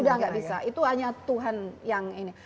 sudah tidak bisa itu hanya tuhan yang ini